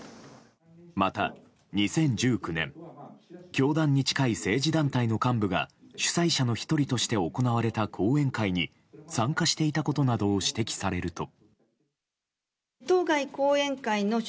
また、２０１９年教団に近い政治団体の幹部が主催者の１人として行われた講演会に参加していたことなどを指摘されると。